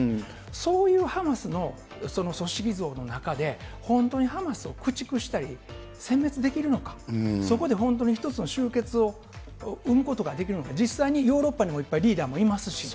そういうハマスの組織像の中で、本当にハマスを駆逐したりせん滅できるのか、そこで本当に一つの終結を生むことができるのか、実際にヨーロッパにもいっぱいリーダーもいますしね。